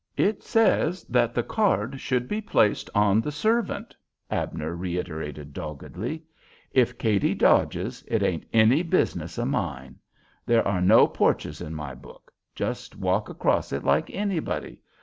"It says that the card should be placed on the servant," Abner reiterated, doggedly. "If Cady dodges, it ain't any business of mine. There are no porches in my book. Just walk across it like anybody.